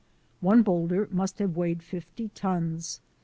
One boulder must have weighed fifty tons.